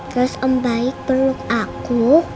terus om baik beluk aku